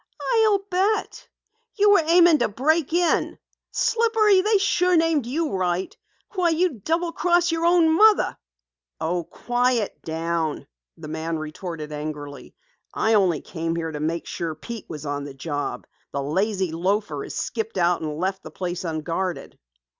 "I'll bet! You were aiming to break in! Slippery, they sure named you right. Why, you'd double cross your own mother!" "Oh, quiet down," the man retorted angrily. "I only came here to make sure Pete was on the job. The lazy loafer has skipped out and left the place unguarded."